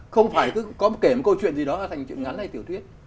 không phải cứ có kể một câu chuyện gì đó thành chuyện ngắn hay tiểu thuyết